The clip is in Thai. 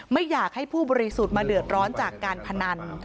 ไม่อยากให้ผู้บริสุทธิ์มาเดือดร้อนจากการพนัน